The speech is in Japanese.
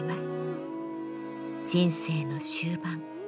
人生の終盤。